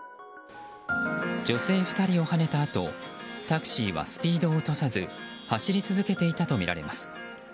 女性２人をはねたあとタクシーはスピードを落とさず走り続けていたとみられます。